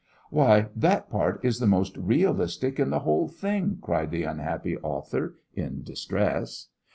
"Why, that part is the most realistic in the whole thing!" cried the unhappy author, in distress.